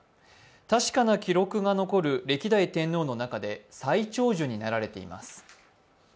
確かな記録が残る歴代天皇の中で最長寿になられています。